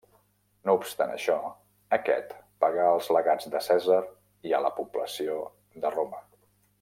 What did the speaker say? No obstant això, aquest pagà als legats de Cèsar i a la població de Roma.